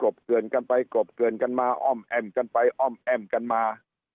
บเกลือนกันไปกลบเกลือนกันมาอ้อมแอ้มกันไปอ้อมแอ้มกันมา